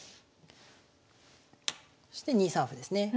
そして２三歩ですね。